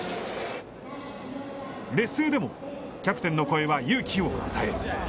劣勢でも、キャプテンの声は勇気を与える。